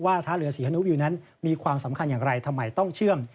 ท่าเรือศรีฮนุวิวนั้นมีความสำคัญอย่างไรทำไมต้องเชื่อม